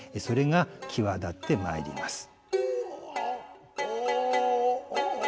それが際立ってまいります。